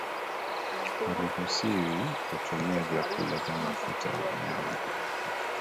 haruhusiwi kutumia vyakula vya mafuta ya wanyama